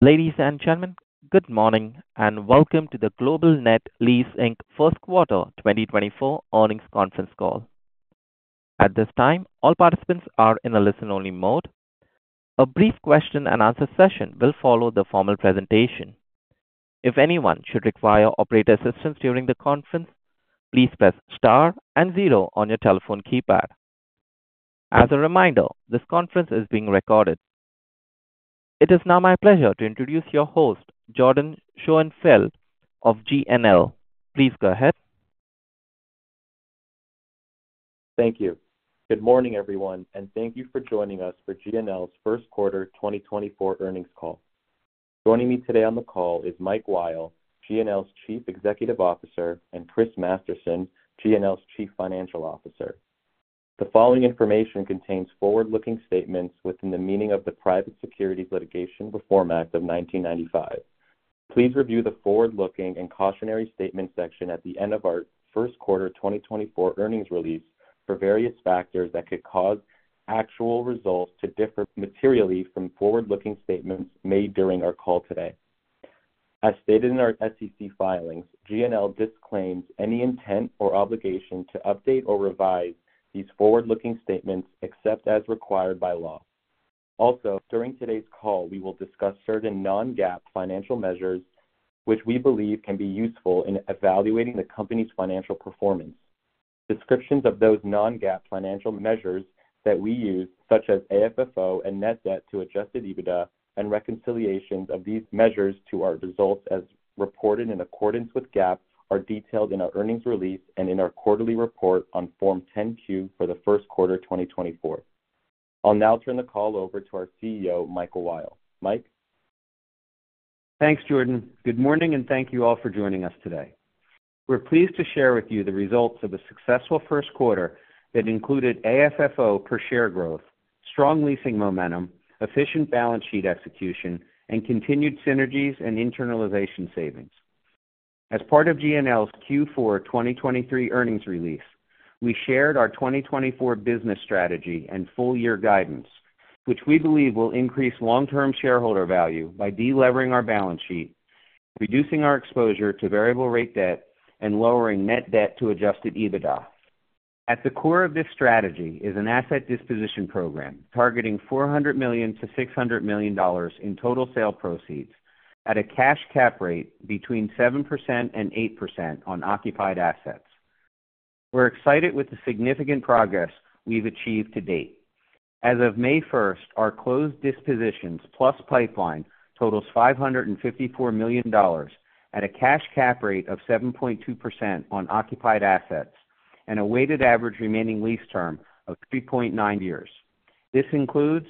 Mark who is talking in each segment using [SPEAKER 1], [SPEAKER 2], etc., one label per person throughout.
[SPEAKER 1] Ladies and gentlemen, good morning and welcome to the Global Net Lease, Inc First Quarter 2024 Earnings Conference Call. At this time, all participants are in a listen-only mode. A brief question-and-answer session will follow the formal presentation. If anyone should require operator assistance during the conference, please press star and zero on your telephone keypad. As a reminder, this conference is being recorded. It is now my pleasure to introduce your host, Jordyn Schoenfeld of GNL. Please go ahead.
[SPEAKER 2] Thank you. Good morning, everyone, and thank you for joining us for GNL's First Quarter 2024 Earnings Call. Joining me today on the call is Mike Weil, GNL's Chief Executive Officer, and Chris Masterson, GNL's Chief Financial Officer. The following information contains forward-looking statements within the meaning of the Private Securities Litigation Reform Act of 1995. Please review the forward-looking and cautionary statements section at the end of our first quarter 2024 earnings release for various factors that could cause actual results to differ materially from forward-looking statements made during our call today. As stated in our SEC filings, GNL disclaims any intent or obligation to update or revise these forward-looking statements except as required by law. Also, during today's call, we will discuss certain non-GAAP financial measures, which we believe can be useful in evaluating the company's financial performance. Descriptions of those non-GAAP financial measures that we use, such as AFFO and Net Debt to Adjusted EBITDA and reconciliations of these measures to our results as reported in accordance with GAAP, are detailed in our earnings release and in our quarterly report on Form 10-Q for the first quarter 2024. I'll now turn the call over to our CEO, Michael Weil. Mike?
[SPEAKER 3] Thanks, Jordyn. Good morning, and thank you all for joining us today. We're pleased to share with you the results of a successful first quarter that included AFFO per share growth, strong leasing momentum, efficient balance sheet execution, and continued synergies and internalization savings. As part of GNL's Q4 2023 earnings release, we shared our 2024 business strategy and full-year guidance, which we believe will increase long-term shareholder value by de-levering our balance sheet, reducing our exposure to variable-rate debt, and lowering net debt to adjusted EBITDA. At the core of this strategy is an asset disposition program targeting $400 million-$600 million in total sale proceeds at a cash cap rate between 7%-8% on occupied assets. We're excited with the significant progress we've achieved to date. As of May 1st, our closed dispositions plus pipeline totals $554 million at a cash cap rate of 7.2% on occupied assets and a weighted average remaining lease term of 3.9 years. This includes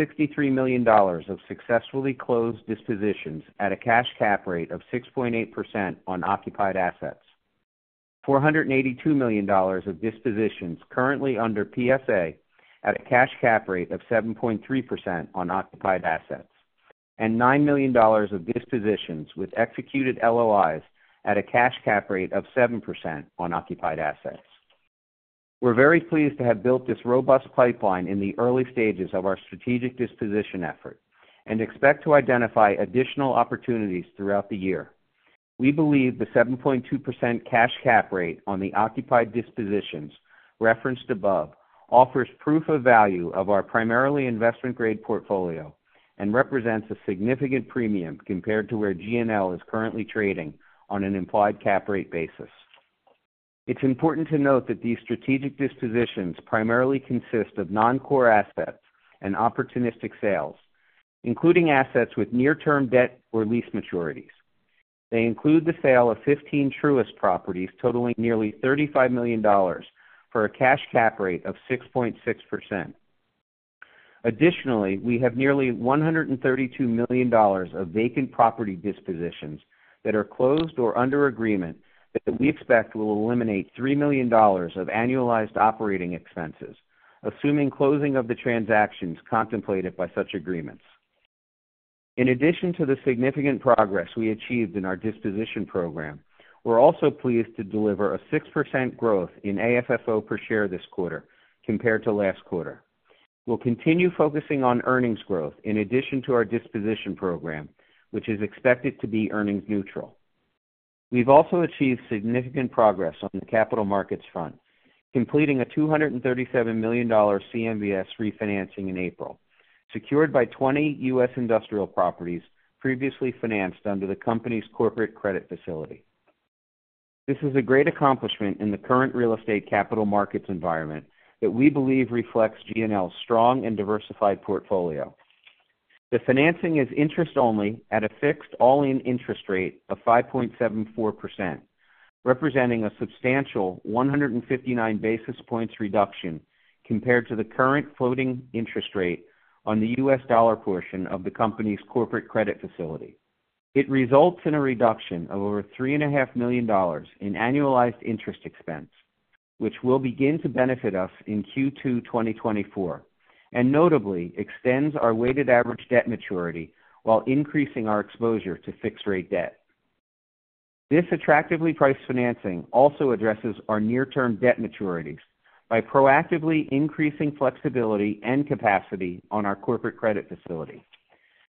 [SPEAKER 3] $63 million of successfully closed dispositions at a cash cap rate of 6.8% on occupied assets, $482 million of dispositions currently under PSA at a cash cap rate of 7.3% on occupied assets, and $9 million of dispositions with executed LOIs at a cash cap rate of 7% on occupied assets. We're very pleased to have built this robust pipeline in the early stages of our strategic disposition effort and expect to identify additional opportunities throughout the year. We believe the 7.2% cash cap rate on the occupied dispositions referenced above offers proof of value of our primarily investment-grade portfolio and represents a significant premium compared to where GNL is currently trading on an implied cap rate basis. It's important to note that these strategic dispositions primarily consist of non-core assets and opportunistic sales, including assets with near-term debt or lease maturities. They include the sale of 15 Truist properties totaling nearly $35 million for a cash cap rate of 6.6%. Additionally, we have nearly $132 million of vacant property dispositions that are closed or under agreement that we expect will eliminate $3 million of annualized operating expenses, assuming closing of the transactions contemplated by such agreements. In addition to the significant progress we achieved in our disposition program, we're also pleased to deliver a 6% growth in AFFO per share this quarter compared to last quarter. We'll continue focusing on earnings growth in addition to our disposition program, which is expected to be earnings-neutral. We've also achieved significant progress on the capital markets front, completing a $237 million CMBS refinancing in April, secured by 20 U.S. industrial properties previously financed under the company's corporate credit facility. This is a great accomplishment in the current real estate capital markets environment that we believe reflects GNL's strong and diversified portfolio. The financing is interest-only at a fixed all-in interest rate of 5.74%, representing a substantial 159 basis points reduction compared to the current floating interest rate on the U.S. dollar portion of the company's corporate credit facility. It results in a reduction of over $3.5 million in annualized interest expense, which will begin to benefit us in Q2 2024 and notably extends our weighted average debt maturity while increasing our exposure to fixed-rate debt. This attractively priced financing also addresses our near-term debt maturities by proactively increasing flexibility and capacity on our corporate credit facility.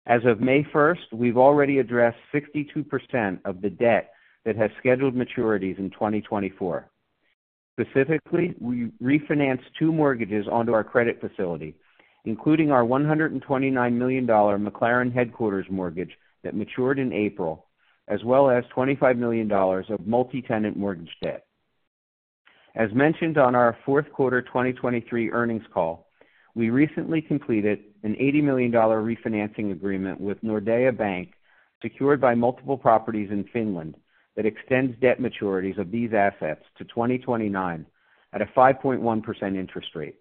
[SPEAKER 3] As of May 1st, we've already addressed 62% of the debt that has scheduled maturities in 2024. Specifically, we refinanced two mortgages onto our credit facility, including our $129 million McLaren headquarters mortgage that matured in April, as well as $25 million of multi-tenant mortgage debt. As mentioned on our fourth quarter 2023 earnings call, we recently completed an $80 million refinancing agreement with Nordea Bank, secured by multiple properties in Finland, that extends debt maturities of these assets to 2029 at a 5.1% interest rate.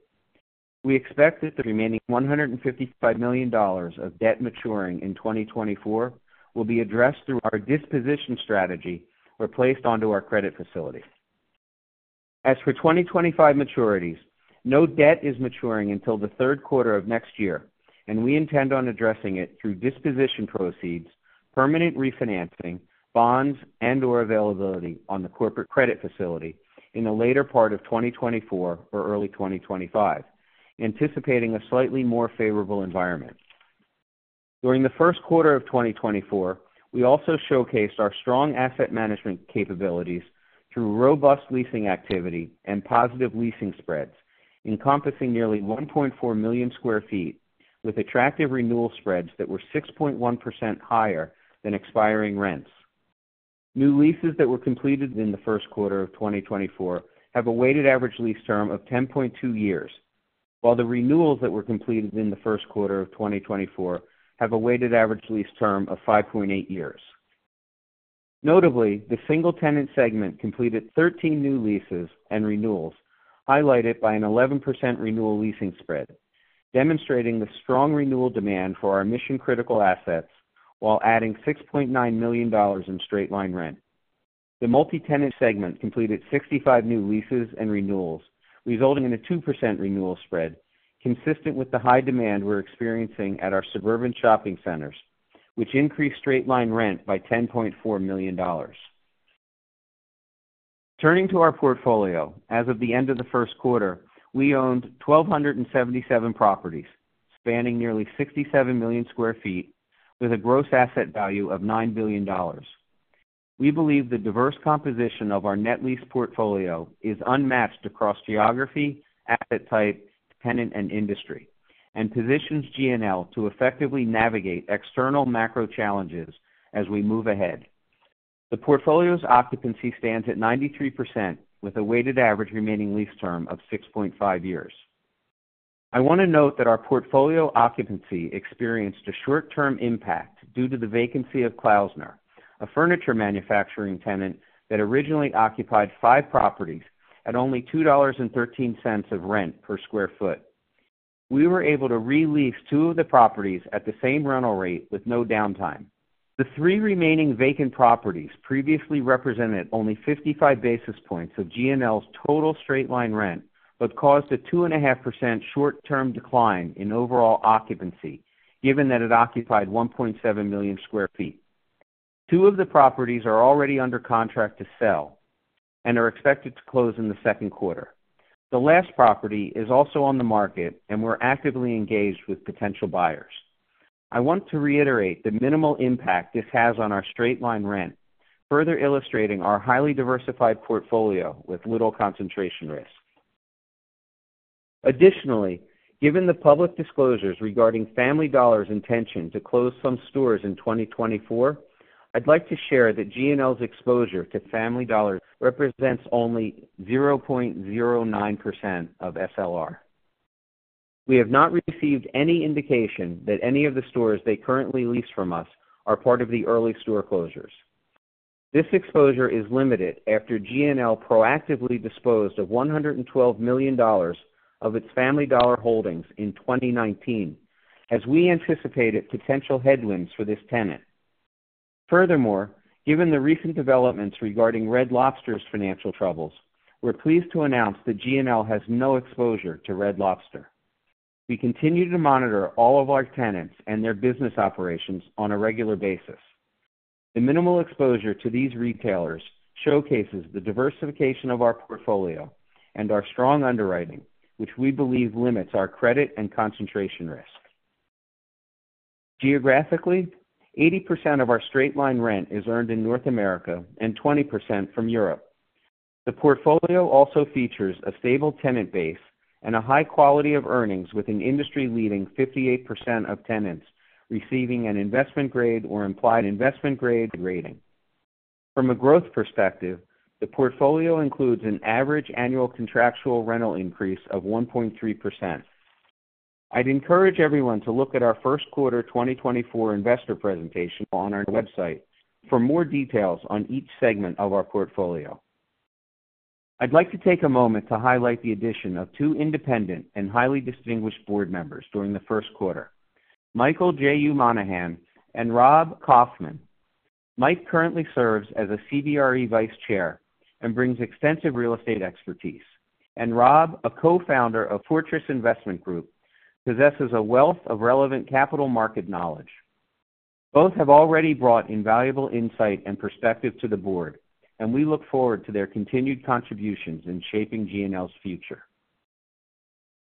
[SPEAKER 3] We expect that the remaining $155 million of debt maturing in 2024 will be addressed through our disposition strategy replaced onto our credit facility. As for 2025 maturities, no debt is maturing until the third quarter of next year, and we intend on addressing it through disposition proceeds, permanent refinancing, bonds, and/or availability on the corporate credit facility in the later part of 2024 or early 2025, anticipating a slightly more favorable environment. During the first quarter of 2024, we also showcased our strong asset management capabilities through robust leasing activity and positive leasing spreads, encompassing nearly 1.4 million sq ft with attractive renewal spreads that were 6.1% higher than expiring rents. New leases that were completed in the first quarter of 2024 have a weighted average lease term of 10.2 years, while the renewals that were completed in the first quarter of 2024 have a weighted average lease term of 5.8 years. Notably, the Single-Tenant segment completed 13 new leases and renewals, highlighted by an 11% renewal leasing spread, demonstrating the strong renewal demand for our mission-critical assets while adding $6.9 million in straight-line rent. The multi-tenant segment completed 65 new leases and renewals, resulting in a 2% renewal spread, consistent with the high demand we're experiencing at our suburban shopping centers, which increased straight-line rent by $10.4 million. Turning to our portfolio, as of the end of the first quarter, we owned 1,277 properties, spanning nearly 67 million sq ft, with a gross asset value of $9 billion. We believe the diverse composition of our net lease portfolio is unmatched across geography, asset type, tenant, and industry, and positions GNL to effectively navigate external macro challenges as we move ahead. The portfolio's occupancy stands at 93%, with a weighted average remaining lease term of 6.5 years. I want to note that our portfolio occupancy experienced a short-term impact due to the vacancy of Klaussner, a furniture manufacturing tenant that originally occupied five properties at only $2.13 of rent per sq ft. We were able to release two of the properties at the same rental rate with no downtime. The three remaining vacant properties previously represented only 55 basis points of GNL's total straight-line rent but caused a 2.5% short-term decline in overall occupancy given that it occupied 1.7 million sq ft. Two of the properties are already under contract to sell and are expected to close in the second quarter. The last property is also on the market, and we're actively engaged with potential buyers. I want to reiterate the minimal impact this has on our straight-line rent, further illustrating our highly diversified portfolio with little concentration risk. Additionally, given the public disclosures regarding Family Dollar's intention to close some stores in 2024, I'd like to share that GNL's exposure to Family Dollar represents only 0.09% of SLR. We have not received any indication that any of the stores they currently lease from us are part of the early store closures. This exposure is limited after GNL proactively disposed of $112 million of its Family Dollar holdings in 2019, as we anticipated potential headwinds for this tenant. Furthermore, given the recent developments regarding Red Lobster's financial troubles, we're pleased to announce that GNL has no exposure to Red Lobster. We continue to monitor all of our tenants and their business operations on a regular basis. The minimal exposure to these retailers showcases the diversification of our portfolio and our strong underwriting, which we believe limits our credit and concentration risk. Geographically, 80% of our straight-line rent is earned in North America and 20% from Europe. The portfolio also features a stable tenant base and a high quality of earnings with an industry-leading 58% of tenants receiving an investment-grade or implied investment-grade rating. From a growth perspective, the portfolio includes an average annual contractual rental increase of 1.3%. I'd encourage everyone to look at our first quarter 2024 investor presentation on our website for more details on each segment of our portfolio. I'd like to take a moment to highlight the addition of two independent and highly distinguished board members during the first quarter: Michael J U. Monahan and Rob Kauffman. Mike currently serves as a CBRE Vice Chair and brings extensive real estate expertise, and Rob, a co-founder of Fortress Investment Group, possesses a wealth of relevant capital market knowledge. Both have already brought invaluable insight and perspective to the board, and we look forward to their continued contributions in shaping GNL's future.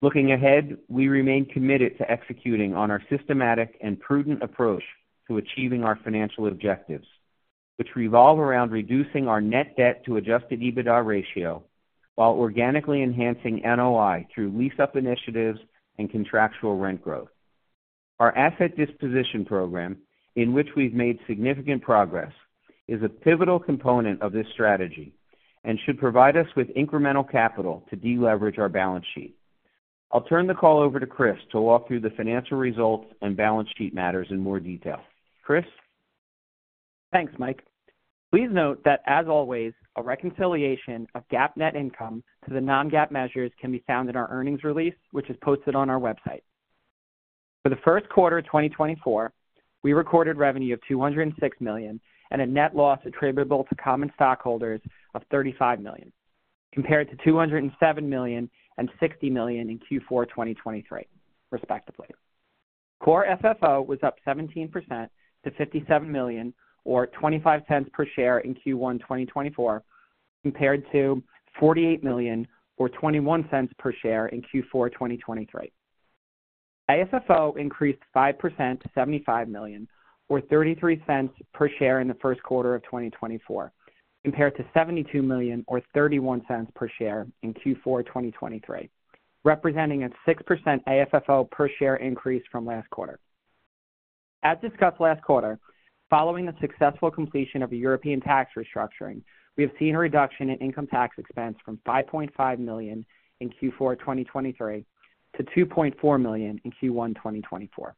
[SPEAKER 3] Looking ahead, we remain committed to executing on our systematic and prudent approach to achieving our financial objectives, which revolve around reducing our net debt to adjusted EBITDA ratio while organically enhancing NOI through lease-up initiatives and contractual rent growth. Our asset disposition program, in which we've made significant progress, is a pivotal component of this strategy and should provide us with incremental capital to deleverage our balance sheet. I'll turn the call over to Chris to walk through the financial results and balance sheet matters in more detail. Chris?
[SPEAKER 4] Thanks, Mike. Please note that, as always, a reconciliation of GAAP net income to the non-GAAP measures can be found in our earnings release, which is posted on our website. For the first quarter 2024, we recorded revenue of $206 million and a net loss attributable to common stockholders of $35 million, compared to $207 million and $60 million in Q4 2023, respectively. Core FFO was up 17% to $57 million or $0.25 per share in Q1 2024, compared to $48 million or $0.21 per share in Q4 2023. AFFO increased 5% to $75 million or $0.33 per share in the first quarter of 2024, compared to $72 million or $0.31 per share in Q4 2023, representing a 6% AFFO per share increase from last quarter. As discussed last quarter, following the successful completion of European tax restructuring, we have seen a reduction in income tax expense from $5.5 million in Q4 2023 to $2.4 million in Q1 2024.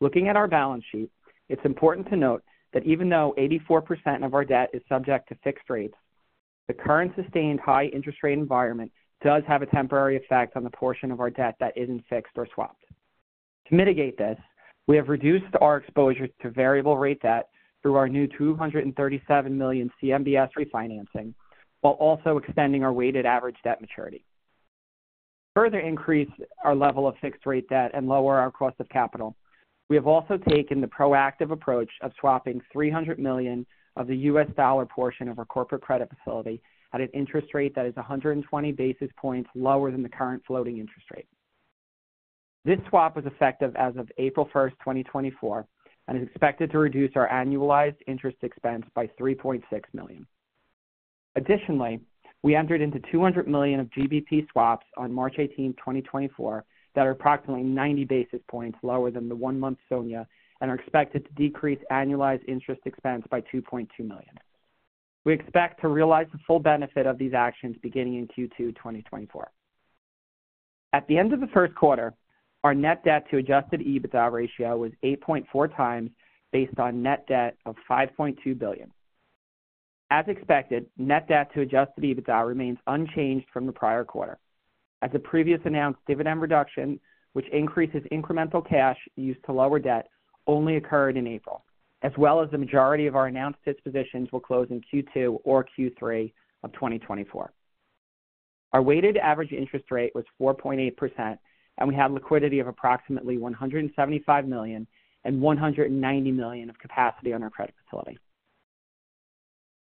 [SPEAKER 4] Looking at our balance sheet, it's important to note that even though 84% of our debt is subject to fixed rates, the current sustained high interest rate environment does have a temporary effect on the portion of our debt that isn't fixed or swapped. To mitigate this, we have reduced our exposure to variable-rate debt through our new $237 million CMBS refinancing while also extending our weighted average debt maturity. To further increase our level of fixed-rate debt and lower our cost of capital, we have also taken the proactive approach of swapping $300 million of the U.S. dollar portion of our corporate credit facility at an interest rate that is 120 basis points lower than the current floating interest rate. This swap was effective as of April 1st, 2024, and is expected to reduce our annualized interest expense by $3.6 million. Additionally, we entered into $200 million of GBP swaps on March 18, 2024, that are approximately 90 basis points lower than the one-month SONIA and are expected to decrease annualized interest expense by $2.2 million. We expect to realize the full benefit of these actions beginning in Q2 2024. At the end of the first quarter, our net debt to adjusted EBITDA ratio was 8.4x based on net debt of $5.2 billion. As expected, net debt to adjusted EBITDA remains unchanged from the prior quarter, as the previous announced dividend reduction, which increases incremental cash used to lower debt, only occurred in April, as well as the majority of our announced dispositions will close in Q2 or Q3 of 2024. Our weighted average interest rate was 4.8%, and we had liquidity of approximately $175 million and $190 million of capacity on our credit facility.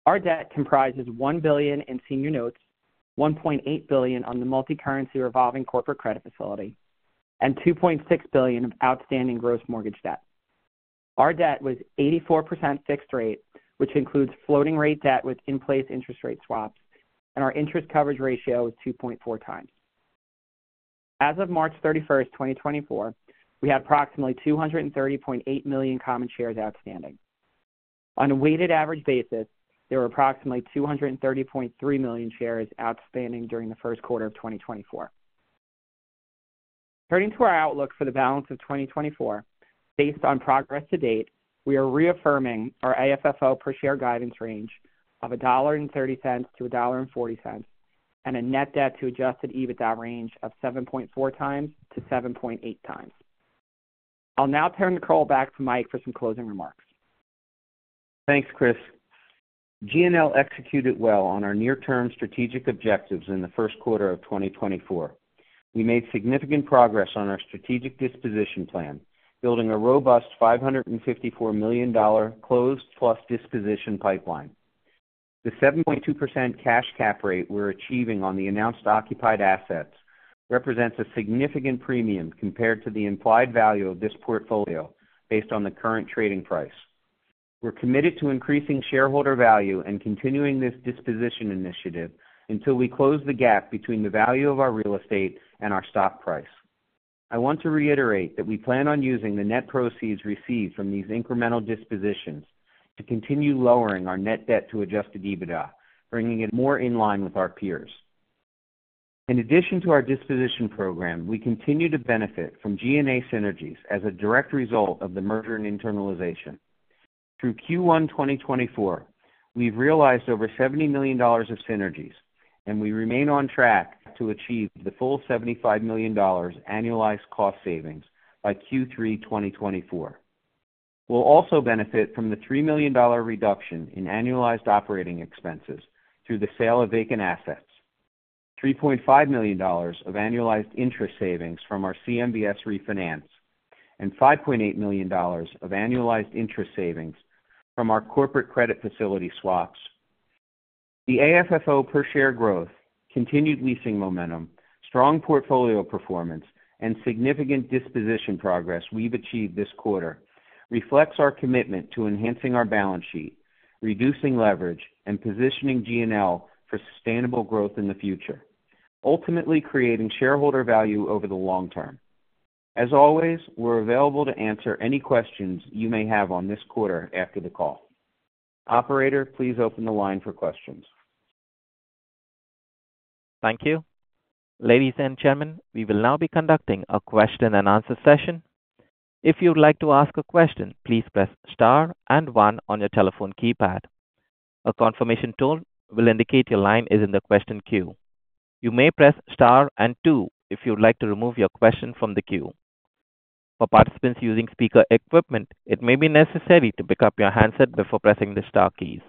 [SPEAKER 4] Our debt comprises $1 billion in senior notes, $1.8 billion on the multicurrency revolving corporate credit facility, and $2.6 billion of outstanding gross mortgage debt. Our debt was 84% fixed rate, which includes floating-rate debt with in-place interest rate swaps, and our interest coverage ratio was 2.4x. As of March 31, 2024, we had approximately $230.8 million common shares outstanding. On a weighted average basis, there were approximately $230.3 million shares outstanding during the first quarter of 2024. Turning to our outlook for the balance of 2024, based on progress to date, we are reaffirming our AFFO per share guidance range of $1.30-$1.40 and a net debt to adjusted EBITDA range of 7.4x-7.8x. I'll now turn the call back to Mike for some closing remarks.
[SPEAKER 3] Thanks, Chris. GNL executed well on our near-term strategic objectives in the first quarter of 2024. We made significant progress on our strategic disposition plan, building a robust $554 million closed-plus disposition pipeline. The 7.2% cash cap rate we're achieving on the announced occupied assets represents a significant premium compared to the implied value of this portfolio based on the current trading price. We're committed to increasing shareholder value and continuing this disposition initiative until we close the gap between the value of our real estate and our stock price. I want to reiterate that we plan on using the net proceeds received from these incremental dispositions to continue lowering our net debt to adjusted EBITDA, bringing it more in line with our peers. In addition to our disposition program, we continue to benefit from G&A synergies as a direct result of the merger and internalization. Through Q1 2024, we've realized over $70 million of synergies, and we remain on track to achieve the full $75 million annualized cost savings by Q3 2024. We'll also benefit from the $3 million reduction in annualized operating expenses through the sale of vacant assets, $3.5 million of annualized interest savings from our CMBS refinance, and $5.8 million of annualized interest savings from our corporate credit facility swaps. The AFFO per share growth, continued leasing momentum, strong portfolio performance, and significant disposition progress we've achieved this quarter reflects our commitment to enhancing our balance sheet, reducing leverage, and positioning GNL for sustainable growth in the future, ultimately creating shareholder value over the long term. As always, we're available to answer any questions you may have on this quarter after the call. Operator, please open the line for questions.
[SPEAKER 1] Thank you. Ladies and gentlemen, we will now be conducting a question-and-answer session. If you would like to ask a question, please press star and one on your telephone keypad. A confirmation tone will indicate your line is in the question queue. You may press star and two if you would like to remove your question from the queue. For participants using speaker equipment, it may be necessary to pick up your handset before pressing the star keys.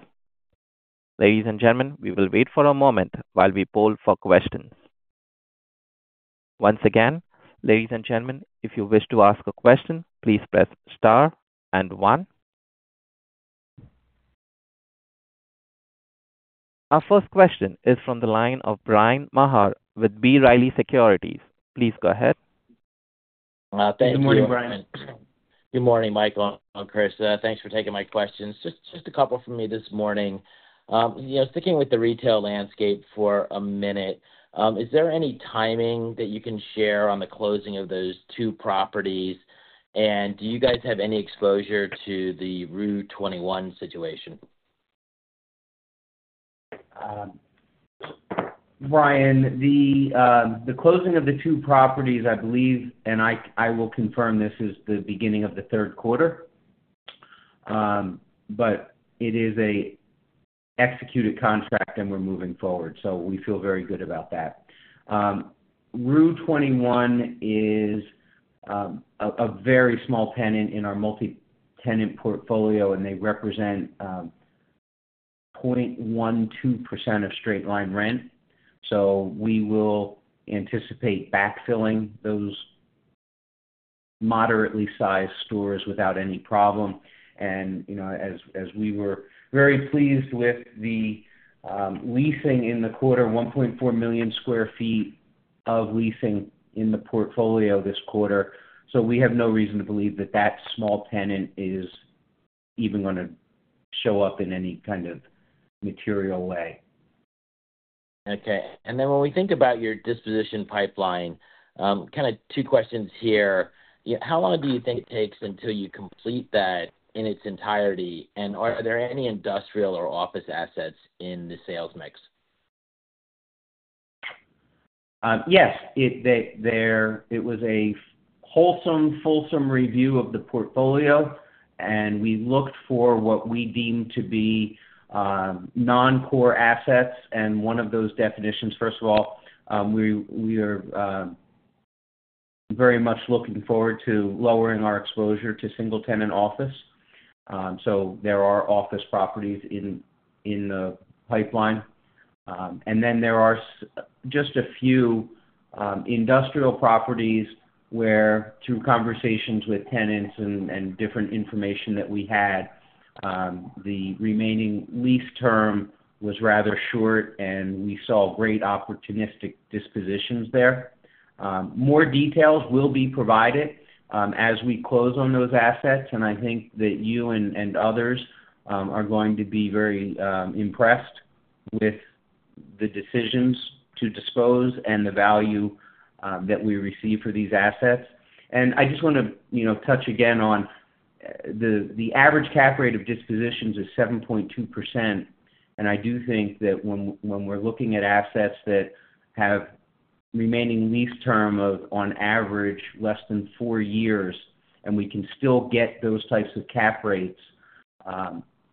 [SPEAKER 1] Ladies and gentlemen, we will wait for a moment while we poll for questions. Once again, ladies and gentlemen, if you wish to ask a question, please press star and one. Our first question is from the line of Bryan Maher with B Riley Securities. Please go ahead.
[SPEAKER 5] Thank you.
[SPEAKER 3] Good morning, Bryan.
[SPEAKER 5] Good morning, Mike, and Chris. Thanks for taking my questions. Just a couple from me this morning. Sticking with the retail landscape for a minute, is there any timing that you can share on the closing of those two properties, and do you guys have any exposure to the Rue21 situation?
[SPEAKER 3] Bryan, the closing of the two properties, I believe, and I will confirm this is the beginning of the third quarter, but it is an executed contract, and we're moving forward, so we feel very good about that. Rue21 is a very small tenant in our multi-tenant portfolio, and they represent 0.12% of straight-line rent. So we will anticipate backfilling those moderately sized stores without any problem. And as we were very pleased with the leasing in the quarter, 1.4 million sq ft of leasing in the portfolio this quarter, so we have no reason to believe that that small tenant is even going to show up in any kind of material way.
[SPEAKER 5] Okay. When we think about your disposition pipeline, kind of two questions here. How long do you think it takes until you complete that in its entirety, and are there any industrial or office assets in the sales mix?
[SPEAKER 3] Yes. It was a wholesome, fulsome review of the portfolio, and we looked for what we deemed to be non-core assets. One of those definitions, first of all, we are very much looking forward to lowering our exposure to single-tenant office. There are office properties in the pipeline. Then there are just a few industrial properties where, through conversations with tenants and different information that we had, the remaining lease term was rather short, and we saw great opportunistic dispositions there. More details will be provided as we close on those assets, and I think that you and others are going to be very impressed with the decisions to dispose and the value that we receive for these assets. I just want to touch again on the average cap rate of dispositions [which] is 7.2%, and I do think that when we're looking at assets that have remaining lease term of, on average, less than four years, and we can still get those types of cap rates,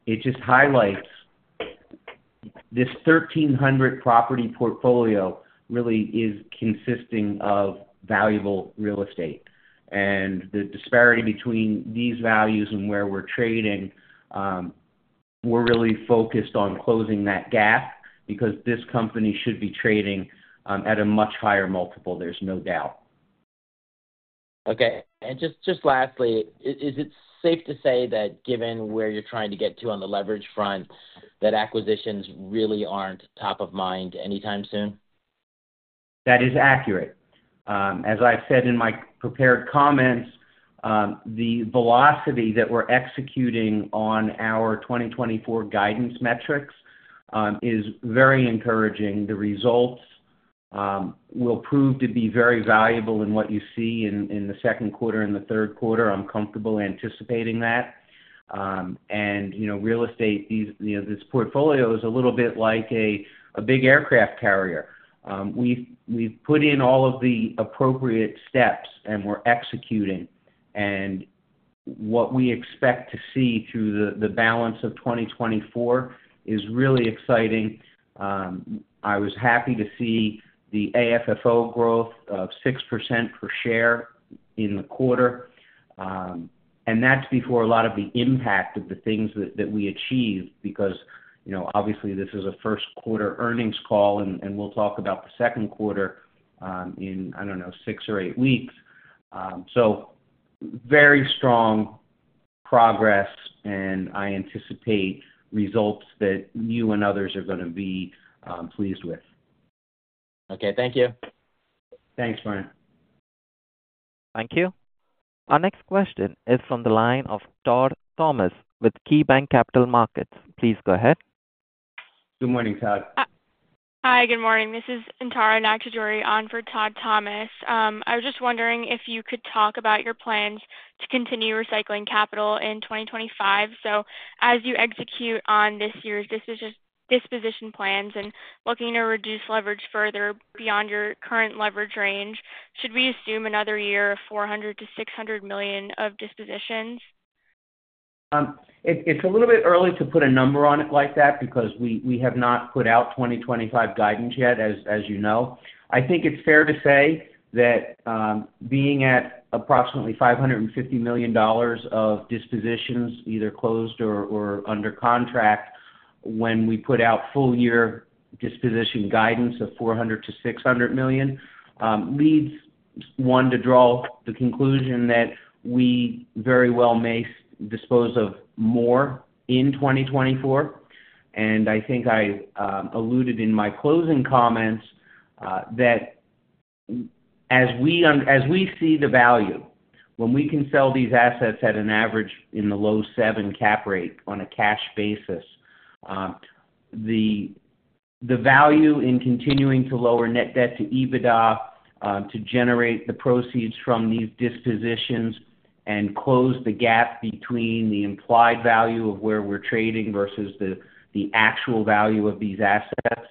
[SPEAKER 3] it just highlights this 1,300-property portfolio really is consisting of valuable real estate. The disparity between these values and where we're trading, we're really focused on closing that gap because this company should be trading at a much higher multiple. There's no doubt.
[SPEAKER 5] Okay. Just lastly, is it safe to say that, given where you're trying to get to on the leverage front, that acquisitions really aren't top of mind anytime soon?
[SPEAKER 3] That is accurate. As I've said in my prepared comments, the velocity that we're executing on our 2024 guidance metrics is very encouraging. The results will prove to be very valuable in what you see in the second quarter and the third quarter. I'm comfortable anticipating that. Real estate, this portfolio is a little bit like a big aircraft carrier. We've put in all of the appropriate steps, and we're executing. What we expect to see through the balance of 2024 is really exciting. I was happy to see the AFFO growth of 6% per share in the quarter, and that's before a lot of the impact of the things that we achieve because, obviously, this is a first-quarter earnings call, and we'll talk about the second quarter in, I don't know, six or eight weeks. Very strong progress, and I anticipate results that you and others are going to be pleased with.
[SPEAKER 5] Okay. Thank you.
[SPEAKER 3] Thanks, Bryan.
[SPEAKER 1] Thank you. Our next question is from the line of Todd Thomas with KeyBanc Capital Markets. Please go ahead.
[SPEAKER 3] Good morning, Todd.
[SPEAKER 6] Hi. Good morning. This is Antara Nag-Chaudhuri on for Todd Thomas. I was just wondering if you could talk about your plans to continue recycling capital in 2025. So as you execute on this year's disposition plans and looking to reduce leverage further beyond your current leverage range, should we assume another year of $400 million-$600 million of dispositions?
[SPEAKER 3] It's a little bit early to put a number on it like that because we have not put out 2025 guidance yet, as you know. I think it's fair to say that being at approximately $550 million of dispositions, either closed or under contract, when we put out full-year disposition guidance of $400 million-$600 million, leads one to draw the conclusion that we very well may dispose of more in 2024. And I think I alluded in my closing comments that as we see the value, when we can sell these assets at an average in the low 7% cap rate on a cash basis, the value in continuing to lower net debt to EBITDA to generate the proceeds from these dispositions and close the gap between the implied value of where we're trading versus the actual value of these assets,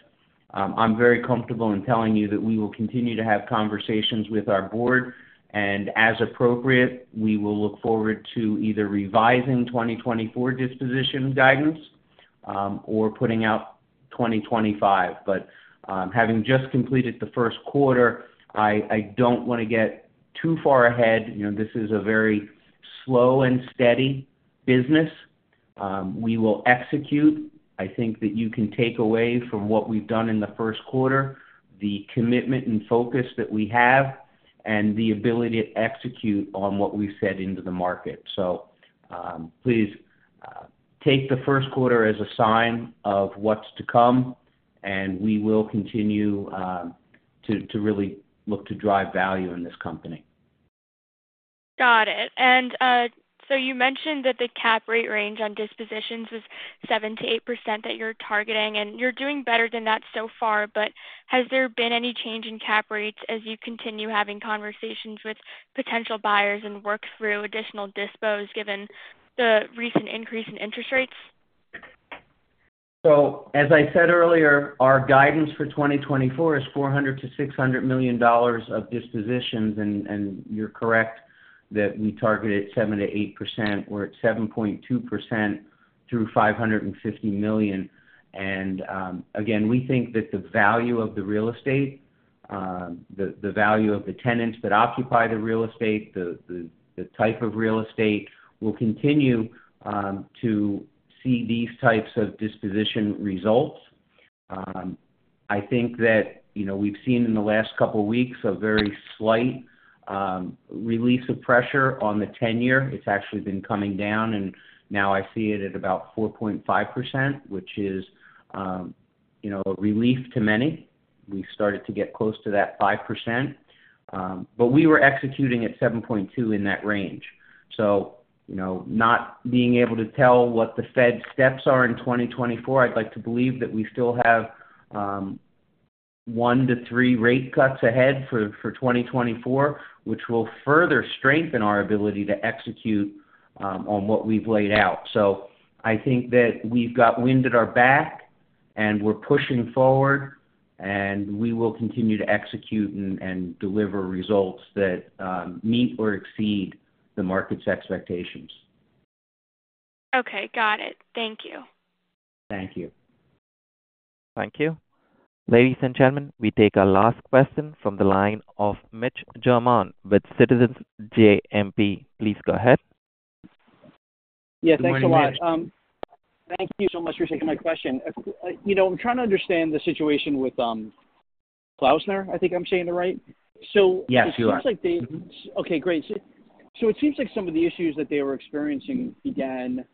[SPEAKER 3] I'm very comfortable in telling you that we will continue to have conversations with our board. And as appropriate, we will look forward to either revising 2024 disposition guidance or putting out 2025. But having just completed the first quarter, I don't want to get too far ahead. This is a very slow and steady business. We will execute. I think that you can take away from what we've done in the first quarter the commitment and focus that we have and the ability to execute on what we've said into the market. So please take the first quarter as a sign of what's to come, and we will continue to really look to drive value in this company.
[SPEAKER 6] Got it. And so you mentioned that the cap rate range on dispositions was 7%-8% that you're targeting, and you're doing better than that so far. But has there been any change in cap rates as you continue having conversations with potential buyers and work through additional dispos given the recent increase in interest rates?
[SPEAKER 3] So as I said earlier, our guidance for 2024 is $400 million-$600 million of dispositions, and you're correct that we targeted 7%-8%. We're at 7.2% through $550 million. And again, we think that the value of the real estate, the value of the tenants that occupy the real estate, the type of real estate, will continue to see these types of disposition results. I think that we've seen in the last couple of weeks a very slight release of pressure on the 10-year. It's actually been coming down, and now I see it at about 4.5%, which is a relief to many. We started to get close to that 5%, but we were executing at 7.2% in that range. So not being able to tell what the Fed's steps are in 2024, I'd like to believe that we still have one to three rate cuts ahead for 2024, which will further strengthen our ability to execute on what we've laid out. So I think that we've got wind at our back, and we're pushing forward, and we will continue to execute and deliver results that meet or exceed the market's expectations.
[SPEAKER 6] Okay. Got it. Thank you.
[SPEAKER 3] Thank you.
[SPEAKER 1] Thank you. Ladies and gentlemen, we take our last question from the line of Mitch Germain with Citizens JMP. Please go ahead.
[SPEAKER 7] Yes. Thanks a lot. Thank you so much for taking my question. I'm trying to understand the situation with Klaussner, I think I'm saying it right. So it seems like they.
[SPEAKER 3] Yes. You are.
[SPEAKER 7] Okay. Great. So it seems like some of the issues that they were experiencing began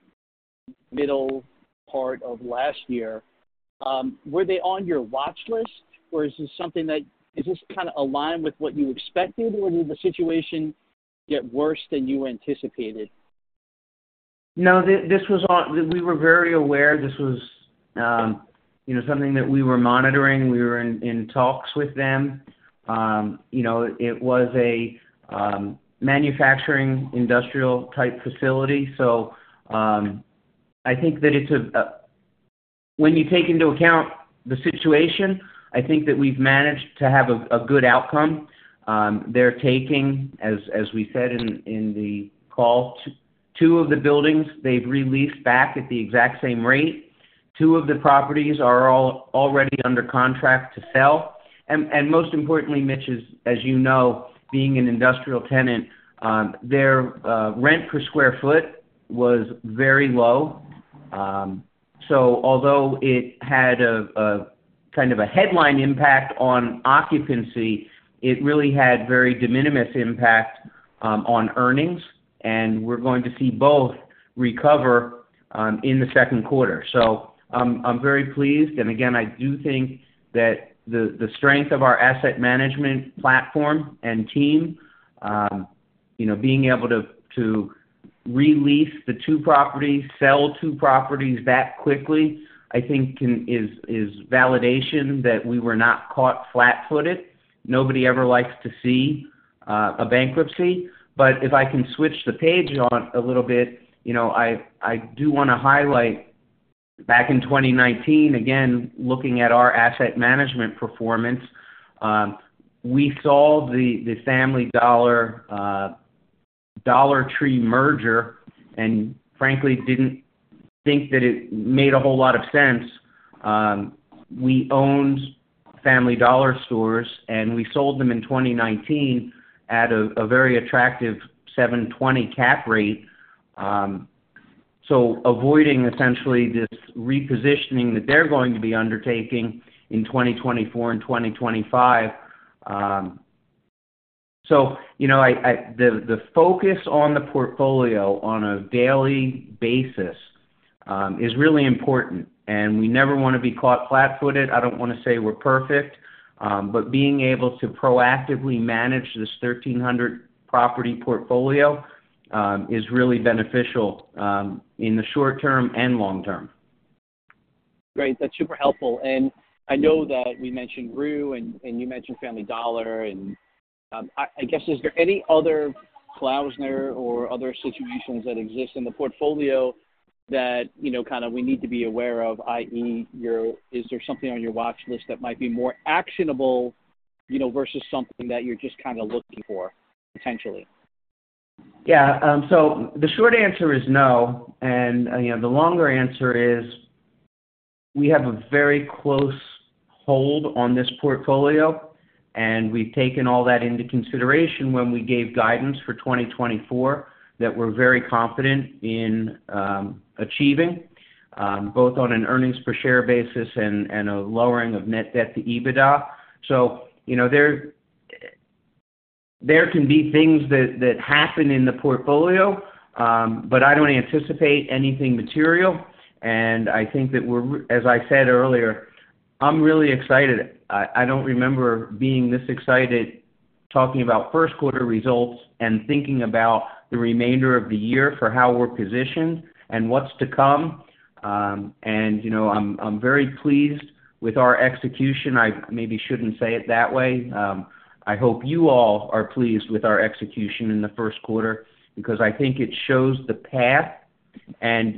[SPEAKER 7] middle part of last year. Were they on your watchlist, or is this something that is this kind of aligned with what you expected, or did the situation get worse than you anticipated?
[SPEAKER 3] No. We were very aware. This was something that we were monitoring. We were in talks with them. It was a manufacturing industrial-type facility. So I think that it's a when you take into account the situation, I think that we've managed to have a good outcome. They're taking, as we said in the call, two of the buildings. They've released back at the exact same rate. two of the properties are already under contract to sell. And most importantly, Mitch is, as you know, being an industrial tenant, their rent per square foot was very low. So although it had kind of a headline impact on occupancy, it really had very de minimis impact on earnings, and we're going to see both recover in the second quarter. So I'm very pleased. And again, I do think that the strength of our asset management platform and team, being able to release the two properties, sell two properties that quickly, I think is validation that we were not caught flat-footed. Nobody ever likes to see a bankruptcy. But if I can switch the page a little bit, I do want to highlight back in 2019, again, looking at our asset management performance, we saw the Family Dollar Dollar Tree merger and frankly didn't think that it made a whole lot of sense. We owned Family Dollar stores, and we sold them in 2019 at a very attractive 7.20 cap rate, so avoiding essentially this repositioning that they're going to be undertaking in 2024 and 2025. So the focus on the portfolio on a daily basis is really important, and we never want to be caught flat-footed. I don't want to say we're perfect, but being able to proactively manage this 1,300-property portfolio is really beneficial in the short term and long term.
[SPEAKER 7] Great. That's super helpful. I know that we mentioned Rue21, and you mentioned Family Dollar. I guess, is there any other Klaussner or other situations that exist in the portfolio that kind of we need to be aware of, i.e., is there something on your watchlist that might be more actionable versus something that you're just kind of looking for potentially?
[SPEAKER 4] Yeah. So the short answer is no. And the longer answer is we have a very close hold on this portfolio, and we've taken all that into consideration when we gave guidance for 2024 that we're very confident in achieving, both on an earnings per share basis and a lowering of net debt to EBITDA. So there can be things that happen in the portfolio, but I don't anticipate anything material. And I think that we're, as I said earlier, I'm really excited. I don't remember being this excited talking about first-quarter results and thinking about the remainder of the year for how we're positioned and what's to come. And I'm very pleased with our execution. I maybe shouldn't say it that way. I hope you all are pleased with our execution in the first quarter because I think it shows the path.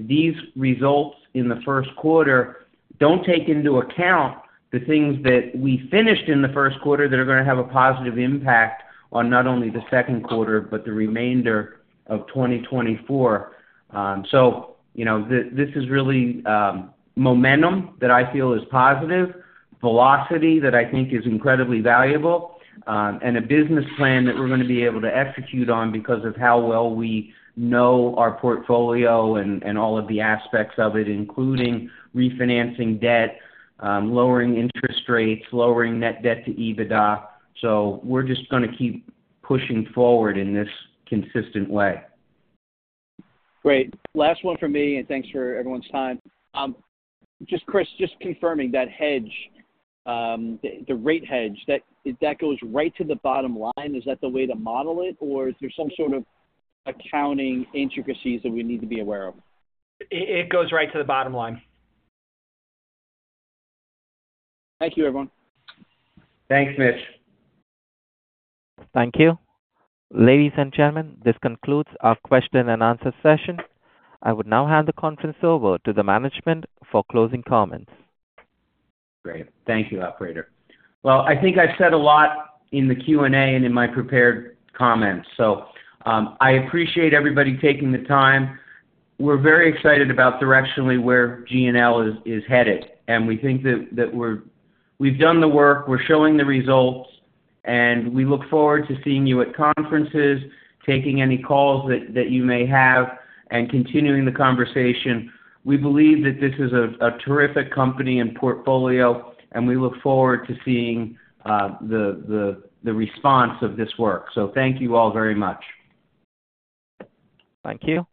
[SPEAKER 4] These results in the first quarter don't take into account the things that we finished in the first quarter that are going to have a positive impact on not only the second quarter but the remainder of 2024. So this is really momentum that I feel is positive, velocity that I think is incredibly valuable, and a business plan that we're going to be able to execute on because of how well we know our portfolio and all of the aspects of it, including refinancing debt, lowering interest rates, lowering net debt to EBITDA. So we're just going to keep pushing forward in this consistent way.
[SPEAKER 7] Great. Last one from me, and thanks for everyone's time. Chris, just confirming that hedge, the rate hedge, that goes right to the bottom line. Is that the way to model it, or is there some sort of accounting intricacies that we need to be aware of?
[SPEAKER 4] It goes right to the bottom line.
[SPEAKER 7] Thank you, everyone.
[SPEAKER 3] Thanks, Mitch.
[SPEAKER 1] Thank you. Ladies and gentlemen, this concludes our question-and-answer session. I would now hand the conference over to the management for closing comments.
[SPEAKER 3] Great. Thank you, operator. Well, I think I've said a lot in the Q&A and in my prepared comments, so I appreciate everybody taking the time. We're very excited about directionally where GNL is headed, and we think that we've done the work. We're showing the results, and we look forward to seeing you at conferences, taking any calls that you may have, and continuing the conversation. We believe that this is a terrific company and portfolio, and we look forward to seeing the response of this work. Thank you all very much.
[SPEAKER 1] Thank you.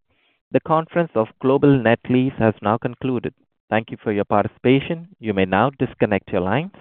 [SPEAKER 1] The conference of Global Net Lease has now concluded. Thank you for your participation. You may now disconnect your lines.